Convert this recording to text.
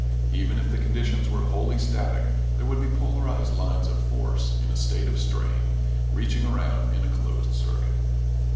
Even if the conditions were wholly static there would be polarized lines of force, in a state of strain, reaching around in a closed circuit.